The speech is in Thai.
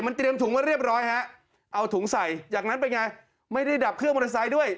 เตรียมถุงไว้เรียบร้อยฮะเอาถุงใส่จากนั้นเป็นไงไม่ได้ดับเครื่องมอเตอร์ไซค์ด้วย